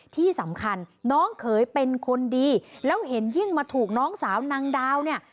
ที่สำคัญน้องเขยเป็นคนดีแล้วเห็นยิ่งมาถูกน้องสาวนางดาวเนี่ย